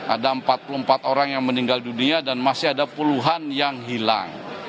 ada empat puluh empat orang yang meninggal dunia dan masih ada puluhan yang hilang